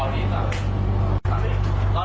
ว่าไม่เป็นอย่างแบบนั้นนะ